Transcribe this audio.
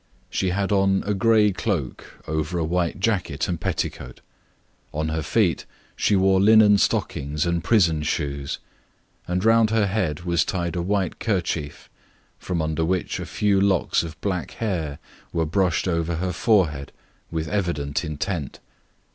She had on a grey cloak over a white jacket and petticoat. On her feet she wore linen stockings and prison shoes, and round her head was tied a white kerchief, from under which a few locks of black hair were brushed over the forehead with evident intent.